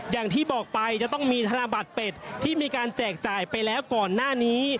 อย่างที่บอกไปจะต้องมีธนบัตรเป็ดที่มีการแจกจ่ายไปแล้วก่อนหน้านี้